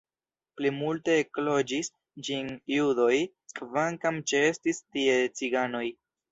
Plimulte ekloĝis ĝin judoj, kvankam ĉeestis tie ciganoj.